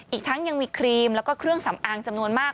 อีกทั้งยังมีครีมแล้วก็เครื่องสำอางจำนวนมาก